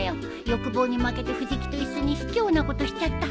欲望に負けて藤木と一緒にひきょうなことしちゃった。